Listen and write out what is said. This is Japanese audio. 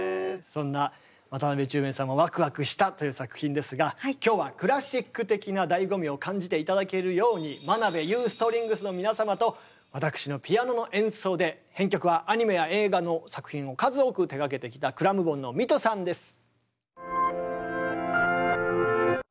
そんな渡辺宙明さんもわくわくしたという作品ですが今日はクラシック的な醍醐味を感じて頂けるように真部裕ストリングスの皆様と私のピアノの演奏で編曲はアニメや映画の作品を数多く手がけてきたｃｌａｍｍｂｏｎのミトさんです。